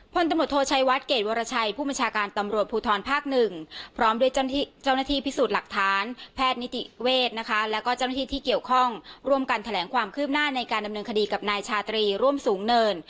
พลตำรวจโทชัยวัดเกรดวรชัยผู้บัญชาการตำรวจภูทรภาคหนึ่งพร้อมด้วยเจ้าหน้าที่พิสูจน์หลักฐานแพทย์นิติเวศนะคะแล้วก็เจ้าหน้าที่ที่เกี่ยวข้องร่วมกันแถลงความคืบหน้าในการดำเนินคดีกับนายชาตรีร่วมสูงเนิน